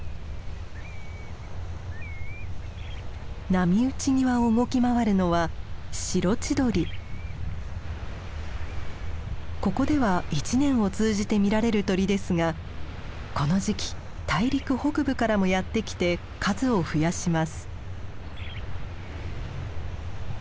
波打ち際を動き回るのはここでは一年を通じて見られる鳥ですがこの時期大陸北部からもやって来て数を増やします。